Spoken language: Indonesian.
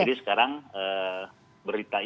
jadi sekarang berita informasi